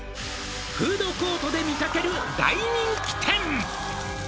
フードコートで見かける大人気店！」